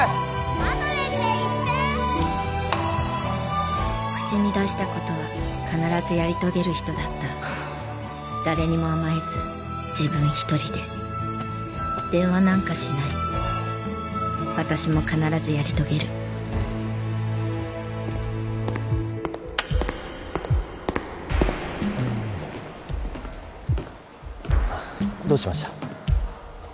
あとでって言って口に出したことは必ずやり遂げる人だった誰にも甘えず自分一人で電話なんかしない私も必ずやり遂げるどうしました？